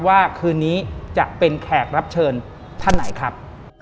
ว่าคืนนี้จะเป็นแขกรับเชิญท่านไหนครับ